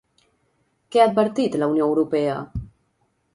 Què ha advertit la Unió Europea?